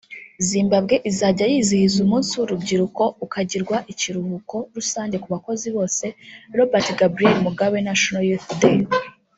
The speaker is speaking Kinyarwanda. Zimbabwe izajya yizihiza umunsi w’urubyiruko ukagirwa ikiruhuko rusange ku bakozi bose “Robert Gabriel Mugabe National Youth Day